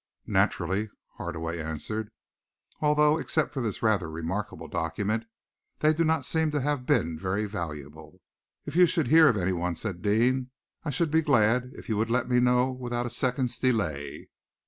"Naturally," Hardaway answered, "although, except for this rather remarkable document, they do not seem to have been very valuable." "If you should hear of anyone," said Deane, "I should be glad if you would let me know without a second's delay."